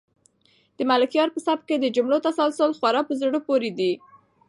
د ملکیار په سبک کې د جملو تسلسل خورا په زړه پورې دی.